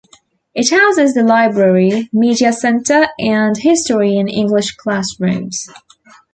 It houses the library, media center and history and English classrooms.